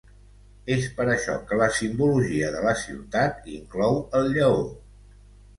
És per això que la simbologia de la ciutat inclou el lleó.